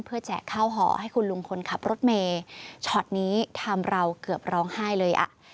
เพื่อแจกเข้าหอให้คุณลุงคนขับรถเมช็อตนี้ทำเราเกือบร้องไห้เลย